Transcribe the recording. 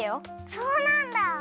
そうなんだ。